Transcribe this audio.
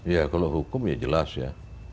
ya kalau hukum ya jelas ya